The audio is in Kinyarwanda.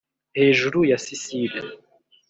hejuru ya sicile